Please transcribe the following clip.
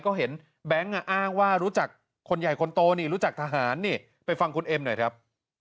ก็เห็นแบงค์อ้างว่ารู้จักคนใหญ่คนโตนี่รู้จักทหารนี่ไปฟังคุณเอ็มหน่อยครับ